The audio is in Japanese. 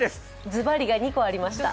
ずばりが２個ありました。